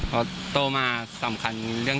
เพราะโตมาสำคัญกันอยู่ที่เงิน